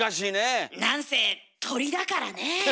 なんせ鳥だからねえ。